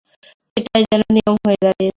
এটাই যেন নিয়ম হয়ে দাঁড়িয়েছে।